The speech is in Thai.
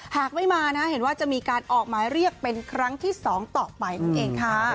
หากไม่มานะเห็นว่าจะมีการออกหมายเรียกเป็นครั้งที่๒ต่อไปนั่นเองค่ะ